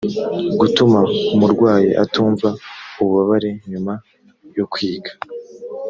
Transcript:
gutuma umurwayi atumva ububabare nyuma yo kwiga